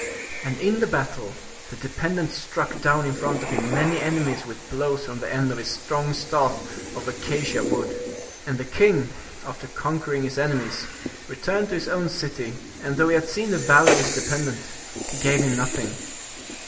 And in the battle the dependent struck down in front of him many enemies, with blows from the end of his strong staff of acacia wood. And the king, after conquer ing his enemies, returned to his own city, and though he had seen the valor of his dependent, he gave him nothing.